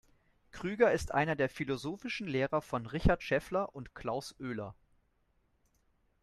Krüger ist einer der philosophischen Lehrer von Richard Schaeffler und Klaus Oehler.